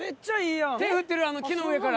手振ってるあの木の上から。